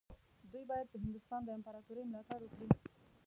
دوی باید د هندوستان د امپراطورۍ ملاتړ وکړي.